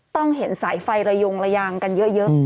ต้องเห็นสายไฟระยงระยางกันเยอะ